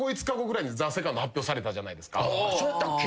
そうやったっけ？